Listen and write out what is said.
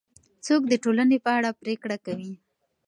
څوک د ټولنې په اړه پرېکړه کوي؟